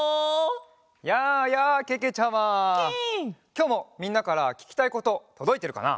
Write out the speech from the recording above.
きょうもみんなからききたいこととどいてるかな？